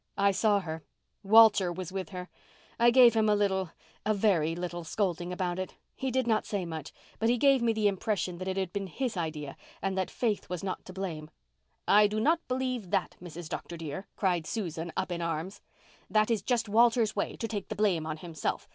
"I saw her. Walter was with her. I gave him a little—a very little—scolding about it. He did not say much, but he gave me the impression that it had been his idea and that Faith was not to blame." "I do not not believe that, Mrs. Dr. dear," cried Susan, up in arms. "That is just Walter's way—to take the blame on himself.